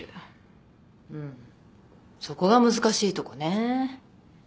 うんそこが難しいとこね。